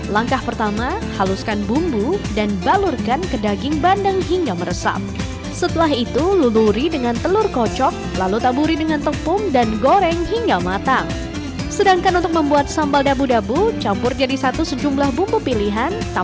yang pertama rasa bahwa di indonesia tidak kalah rasanya